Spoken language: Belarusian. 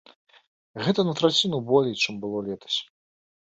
Гэта на траціну болей, чым было летась.